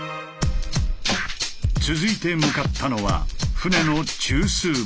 続いて向かったのは「船の中枢部」。